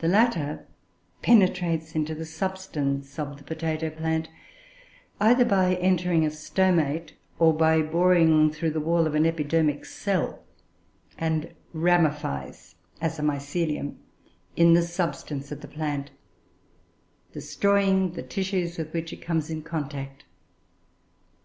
The latter penetrates into the substance of the potato plant, either by entering a stomate, or by boring through the wall of an epidermic cell, and ramifies, as a mycelium, in the substance of the plant, destroying the tissues with which it comes in contact.